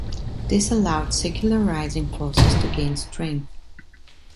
This allowed secularizing forces to gain strength.